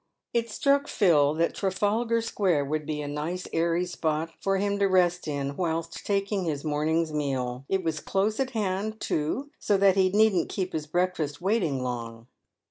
It struck Phil that Trafalgar square would be a nice airy spot for him to rest in whilst taking his morning's meal. It was close at hand, too, so that he needn't keep his breakfast waiting long.